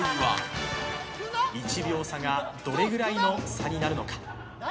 １秒差がどのくらいの差になるのか。